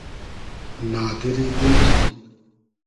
نادیری دیل تو